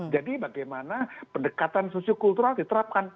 jadi bagaimana pendekatan sosio kultural diterapkan